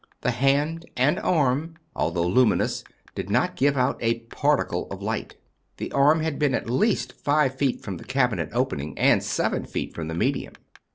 The hand and arm, although luminous, did not give out a particle of light. The arm had been at least five feet from the cabinet opening and seven feet from the medium.